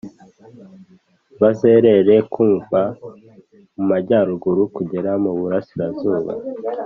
bazerere kuva mu majyaruguru kugera mu burasirazuba,